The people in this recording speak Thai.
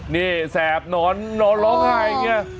เนี่ยแสบหนอนหนอนร้องไห้อย่างเงี้ย